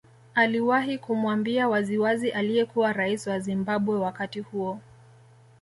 Aliwahi kumwambia waziwazi aliyekuwa rais wa Zimbabwe wakati huo